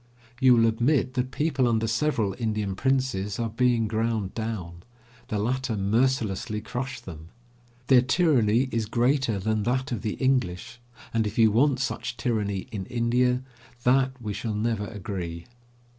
You will admit that people under several Indian princes are being ground down. The latter mercilessly crush them. Their tyranny is greater than that of the English, and, if you want such tyranny in India, that we shall never agree.